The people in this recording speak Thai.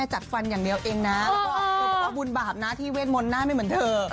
จัดฟันอย่างเดียวเองนะแล้วก็เธอบอกว่าบุญบาปนะที่เวทมนต์หน้าไม่เหมือนเธอ